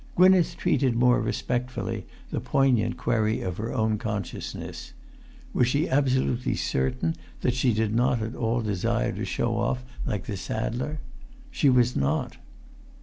Gwynneth treated more respectfully the poignant query of her own consciousness: was she absolutely certain that she did not at all desire to show off like the saddler? She was not.